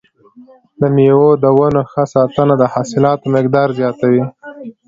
د مېوو د ونو ښه ساتنه د حاصلاتو مقدار زیاتوي.